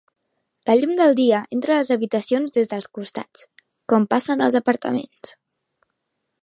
La llum del dia entra a les habitacions des dels costats, com passa en els apartaments.